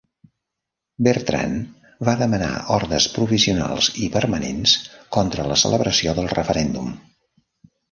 Bertrand va demanar ordres provisionals i permanents contra la celebració del referèndum.